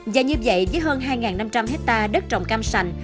và như vậy với hơn hai năm trăm linh hectare đất trồng cam sành